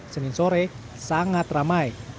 senin sore sangat ramai